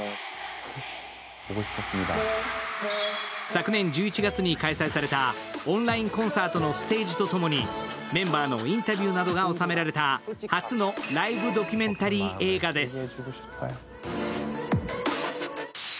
昨年１１月に開催されたオンラインコンサートのステージとともに、メンバーのインタビューなどが納められた初のライブドキュメンタリーです。